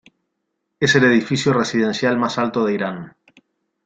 Es el edificio residencial más alto de Irán.